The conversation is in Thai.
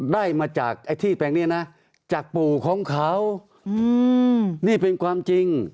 ได้มาจากไอ้ที่แปลงนี้นะจากปู่ของเขานี่เป็นความจริง